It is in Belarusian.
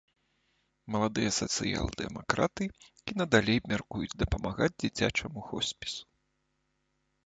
Маладыя сацыял-дэмакраты і надалей мяркуюць дапамагаць дзіцячаму хоспісу.